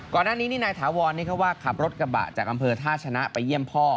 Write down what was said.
ก่อนหน้านี้นี่นายถาวรนี่เขาว่าขับรถกระบะจากอำเภอท่าชนะไปเยี่ยมพ่อ